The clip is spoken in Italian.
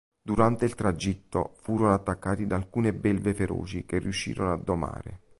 Durante il tragitto, furono attaccati da alcune belve feroci, che riuscirono a domare.